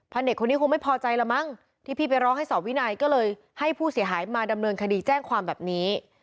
เด็กคนนี้คงไม่พอใจละมั้งที่พี่ไปร้องให้สอบวินัยก็เลยให้ผู้เสียหายมาดำเนินคดีแจ้งความแบบนี้